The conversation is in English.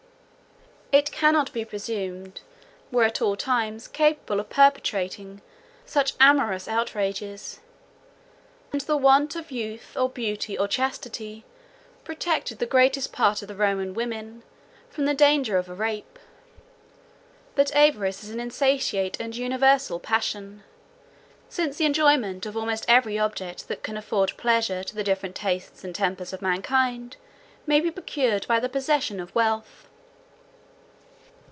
It cannot be presumed, that all the Barbarians were at all times capable of perpetrating such amorous outrages; and the want of youth, or beauty, or chastity, protected the greatest part of the Roman women from the danger of a rape. But avarice is an insatiate and universal passion; since the enjoyment of almost every object that can afford pleasure to the different tastes and tempers of mankind may be procured by the possession of wealth.